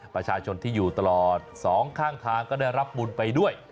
ประชาชนที่อยู่ตลอดสองข้างทางก็ได้รับบุญไปด้วย